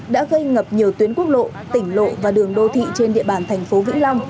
đã gây ngập nhiều tuyến quốc lộ tỉnh lộ và đường đô thị trên địa bàn thành phố vĩnh long